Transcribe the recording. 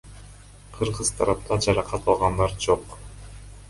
Кыргыз тарапта жаракат алгандар жок.